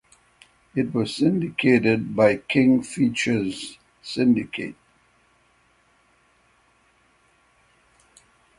It was syndicated by King Features Syndicate.